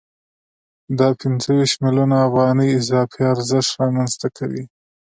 دا پنځه ویشت میلیونه افغانۍ اضافي ارزښت رامنځته کوي